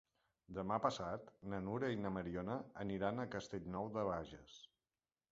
Demà passat na Nura i na Mariona aniran a Castellnou de Bages.